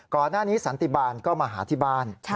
ก่อนหน้านี้สันติบาลก็มาหาที่บ้าน